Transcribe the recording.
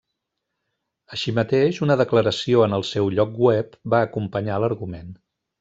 Així mateix, una declaració en el seu lloc web va acompanyar l'argument.